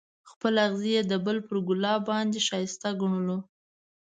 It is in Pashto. خپل اغزی یې د بل پر ګلاب باندې ښایسته ګڼلو.